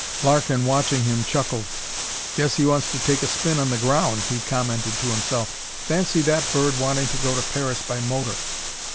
Larkin, watching him, chuckled. "Guess he wants to take a spin on the ground," he commented to himself. "Fancy that bird wanting to go to Paris by motor!"